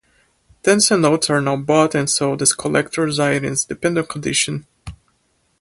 Ten sen notes are now bought and sold as collectors items depending on condition.